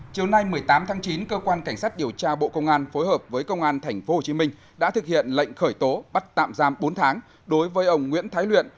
chiều nay một mươi tám tháng chín cơ quan cảnh sát điều tra bộ công an phối hợp với công an tp hcm đã thực hiện lệnh khởi tố bắt tạm giam bốn tháng đối với ông nguyễn thái luyện